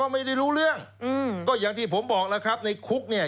ไม่ได้รู้เรื่องอืมก็อย่างที่ผมบอกแล้วครับในคุกเนี่ย